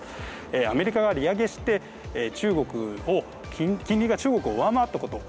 アメリカが利上げして金利が中国を上回ったこと。